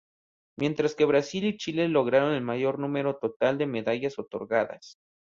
Mientras que Brasil y Chile lograron el mayor número total de medallas otorgadas.